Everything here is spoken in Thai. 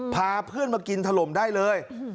พาเพื่อนมากินถล่มได้เลย